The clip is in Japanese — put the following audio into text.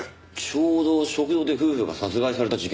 ちょうど食堂で夫婦が殺害された事件の。